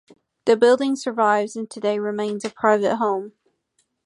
The building survives and today remains a private home.